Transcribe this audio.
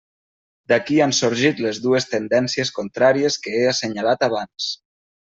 D'aquí han sorgit les dues tendències contràries que he assenyalat abans.